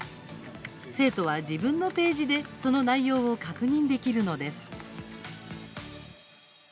生徒は自分のページでその内容を確認できるのです。